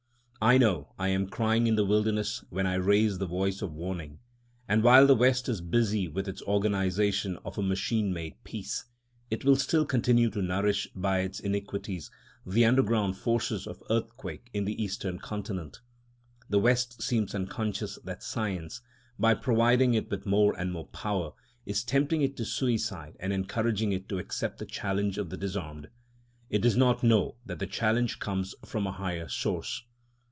I know I am crying in the wilderness when I raise the voice of warning; and while the West is busy with its organisation of a machine made peace, it will still continue to nourish by its iniquities the underground forces of earthquake in the Eastern Continent. The West seems unconscious that Science, by providing it with more and more power, is tempting it to suicide and encouraging it to accept the challenge of the disarmed; it does not know that the challenge comes from a higher source.